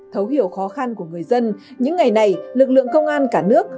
thấu hiểu khó khăn của người dân những ngày này lực lượng công an cả nước